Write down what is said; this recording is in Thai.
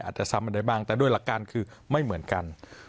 อาจจะซ้ำกันได้บ้างแต่ด้วยหลักการคือไม่เหมือนกัน